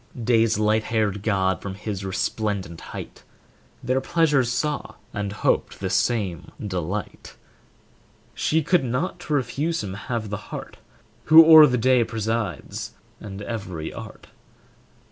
Day's light haired god from his resplendent height Their pleasures saw, and hoped the same delight; She could not to refuse him have the heart, Who o'er the day presides and every art.